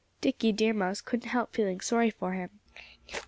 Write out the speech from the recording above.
Dickie Deer Mouse couldn't help feeling sorry for him.